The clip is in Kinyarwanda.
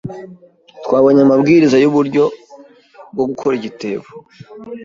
Twabonye amabwiriza yuburyo bwo gukora igitebo.